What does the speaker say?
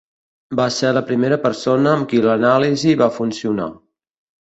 Va ser la primera persona amb qui l'anàlisi va funcionar.